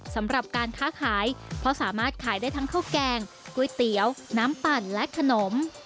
สำหรับการค้าขายเพราะสามารถขายได้ทั้งข้าวแกงก๋วยเตี๋ยวน้ำปั่นและขนม